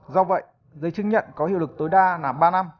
do vậy giấy chứng nhận có hiệu lực tối đa là ba năm